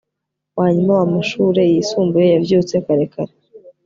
wanyuma wa Mashure yisumbuye …………Yavyutse kare kare